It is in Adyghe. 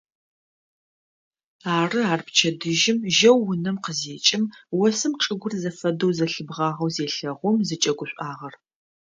Ары ар пчэдыжьым жьэу унэм къызекӏым осым чӏыгур зэфэдэу зэлъибгъагъэу зелъэгъум зыкӏэгушӏуагъэр.